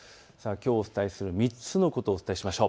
きょうお伝えする３つのことをお伝えしましょう。